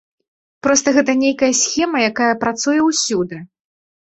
Проста гэта нейкая схема, якая працуе ўсюды.